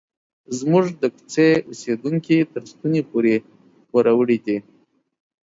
زموږ د کوڅې اوسیدونکي تر ستوني پورې پوروړي دي.